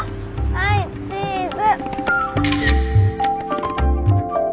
はいチーズ！